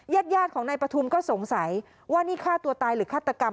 ญาติญาติของนายปฐุมก็สงสัยว่านี่ฆ่าตัวตายหรือฆาตกรรม